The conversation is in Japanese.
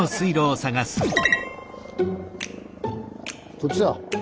こっちだ。